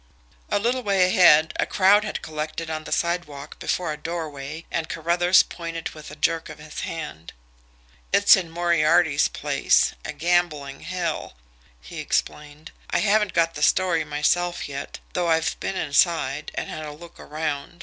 A little way ahead, a crowd had collected on the sidewalk before a doorway, and Carruthers pointed with a jerk of his hand. "It's in Moriarty's place a gambling hell," he explained. "I haven't got the story myself yet, though I've been inside, and had a look around.